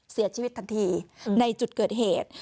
เสียชีวิตทันทีในจุดเกิดเหตุ